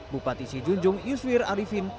bupati si junjung yuswir arifin